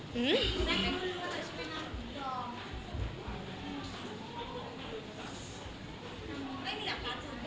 หื้ม